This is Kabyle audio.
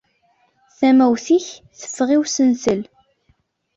Tamawt-ik teffeɣ i usentel.